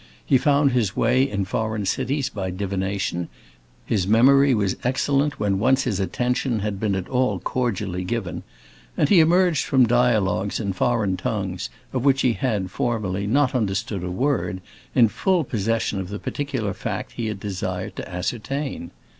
He found his way in foreign cities by divination, his memory was excellent when once his attention had been at all cordially given, and he emerged from dialogues in foreign tongues, of which he had, formally, not understood a word, in full possession of the particular fact he had desired to ascertain.